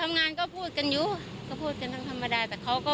ทำงานก็พูดกันอยู่ก็พูดกันทั้งธรรมดาแต่เขาก็